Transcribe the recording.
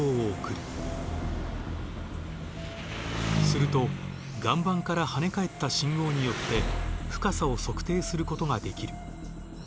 すると岩盤から跳ね返った信号によって深さを測定することができる。